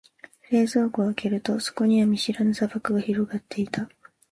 冷蔵庫を開けると、そこには見知らぬ砂漠が広がっていた。